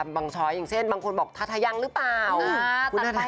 บางช้อยอย่างเช่นบางคนบอกทาทะยังหรือเปล่า